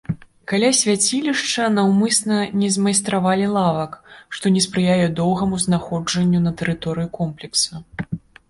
Каля свяцілішча наўмысна не змайстравалі лавак, што не спрыяе доўгаму знаходжанню на тэрыторыі комплекса.